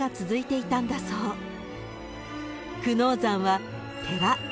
［久能山は］